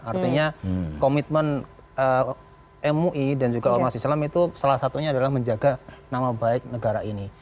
artinya komitmen mui dan juga ormas islam itu salah satunya adalah menjaga nama baik negara ini